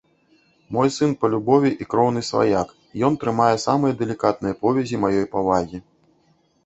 Мой сын па любові і кроўны сваяк, ён трымае самыя дэлікатныя повязі маёй павагі.